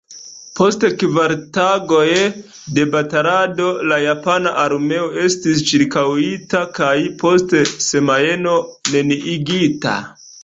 Post kvar tagoj de batalado la japana armeo estis ĉirkaŭita kaj post semajno neniigita.